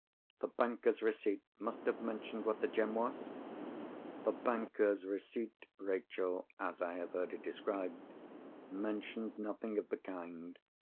The banker's receipt must have mentioned what the gem was?" "The banker's receipt, Rachel—as I have heard it described—mentioned nothing of the kind.